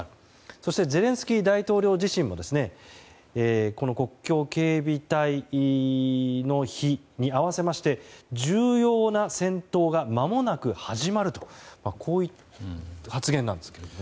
そしてゼレンスキー大統領自身も国境警備隊の日に合わせまして重要な戦闘がまもなく始まるとこういう発言なんですけれども。